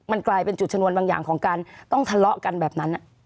มันกลายเป็นจุดชนวนบางอย่างของการต้องทะเลาะกันแบบนั้น